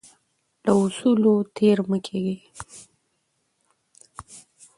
له اصولو تیر مه کیږئ.